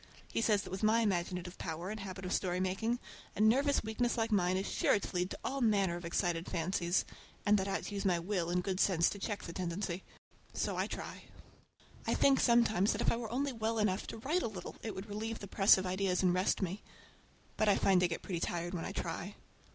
He says that with my imaginative power and habit of story making a nervous weakness like mine is sure to lead to all manner of excited fancies, and that I ought to use my will and good sense to check the tendency. So I try. I think sometimes that if I were only well enough to write a little it would relieve the press of ideas and rest me. But I find I get pretty tired when I try.